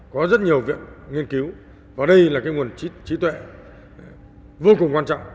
có rất nhiều viện nghiên cứu và đây là cái nguồn trí tuệ vô cùng quan trọng